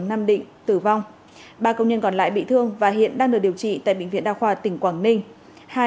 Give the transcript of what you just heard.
nam định tử vong ba công nhân còn lại bị thương và hiện đang được điều trị tại bệnh viện đa khoa tỉnh quảng ninh